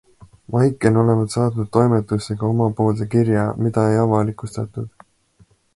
Maiken olevat saatnud toimetusse ka omapoolse kirja, mida ei avalikustatud.